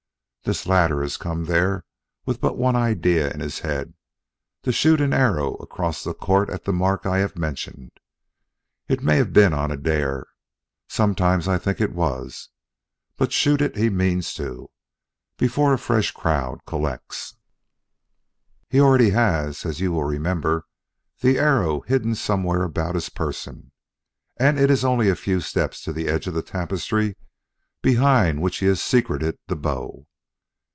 This latter has come there with but one idea in his head to shoot an arrow across the court at the mark I have mentioned. It may have been on a dare sometimes I think it was; but shoot it he means to, before a fresh crowd collects. "He already has, as you will remember, the arrow hidden somewhere about his person, and it is only a few steps to the edge of the tapestry behind which he has secreted the bow.